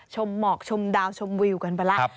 หมอกชมดาวชมวิวกันไปแล้ว